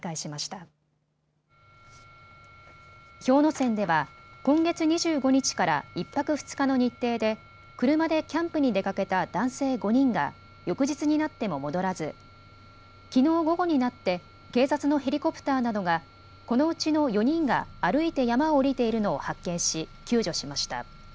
山では今月２５日から１泊２日の日程で車でキャンプに出かけた男性５人が翌日になっても戻らず、きのう午後になって警察のヘリコプターなどがこのうちの４人が歩いて山を下りているのを発見し救助しました。